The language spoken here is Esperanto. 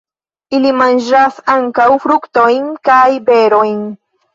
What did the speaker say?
Ili manĝas ankaŭ fruktojn kaj berojn.